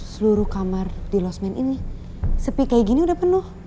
seluruh kamar di losmen ini sepi kayak gini udah penuh